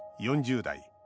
４０代。